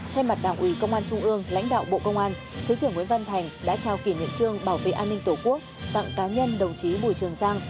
thay mặt đảng ủy công an trung ương lãnh đạo bộ công an thứ trưởng nguyễn văn thành đã trao kỷ niệm trương bảo vệ an ninh tổ quốc tặng cá nhân đồng chí bùi trường giang